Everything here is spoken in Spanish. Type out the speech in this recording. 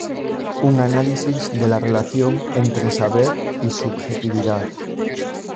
Un análisis de la relación entre saber y subjetividad.